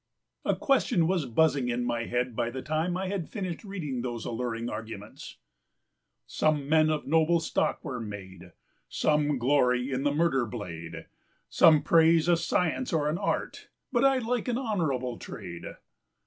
"A question was buzzing in my head by the time I had finished reading those alluring arguments: "Some men of noble stock were made; Some glory in the murder blade: Some praise a science or an art, But I like honourable trade.